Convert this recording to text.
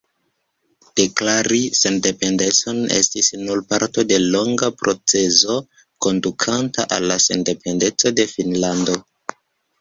Deklari sendependecon estis nur parto de longa procezo kondukanta al la sendependeco de Finnlando.